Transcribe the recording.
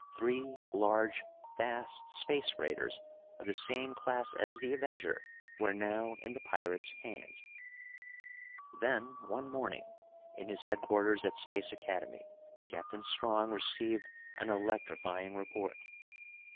Three large, fast space freighters of the same class as the Avenger were now in the pirates' hands. Then, one morning, in his headquarters at Space Academy, Captain Strong received an electrifying report.